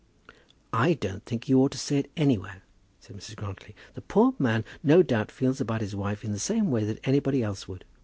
"I don't think you ought to say it anywhere," said Mrs. Grantly. "The poor man no doubt feels about his wife in the same way that anybody else would."